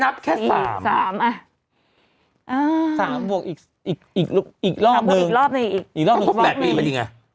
๓บวกอีกรอบนึง๘ปีปะดิไง